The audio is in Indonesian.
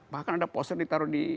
bahkan ada poster ditaruh di